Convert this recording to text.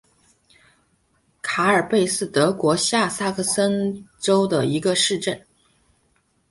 卡尔贝是德国下萨克森州的一个市镇。